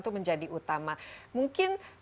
itu menjadi utama mungkin